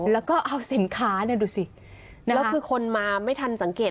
แล้วก็เอาสินค้าเนี่ยดูสิแล้วคือคนมาไม่ทันสังเกต